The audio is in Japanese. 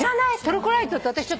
トルコライトって。